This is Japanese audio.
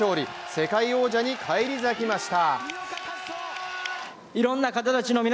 世界王者に返り咲きました。